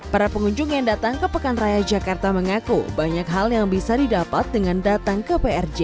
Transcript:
para pengunjung yang datang ke pekan raya jakarta mengaku banyak hal yang bisa didapat dengan datang ke prj